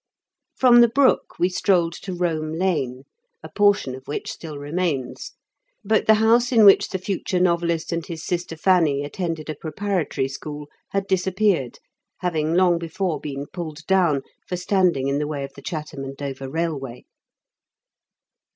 From The Brook we strolled to Rome Lane, a portion of which still remains; but the house in which the future novelist and his sister CLOVER LANE. 63 Fanny attended a preparatory school had dis appeared, having long before been pulled down for standing in the way of the Chatham and Dover railway.